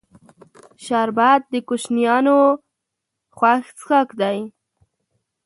شربت د کوشنیانو خوښ څښاک دی